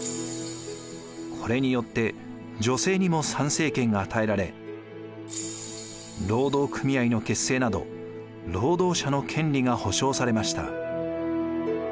これによって女性にも参政権が与えられ労働組合の結成など労働者の権利が保障されました。